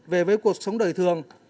về với cuộc sống đời thường